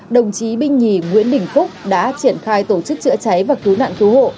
đồng chí binh nhì nguyễn đình phúc đã triển khai tổ chức chữa cháy và cứu nạn cứu hộ